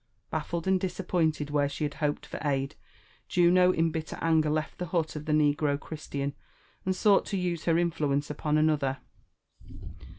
Baffled and disappointed where she had hoped for aid, Juno in bitter anger left the hut of the negro Christian, and sought to use her in fluence upon another.